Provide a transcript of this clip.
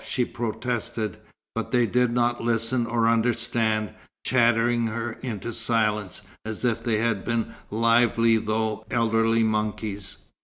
she protested, but they did not listen or understand, chattering her into silence, as if they had been lively though elderly monkeys.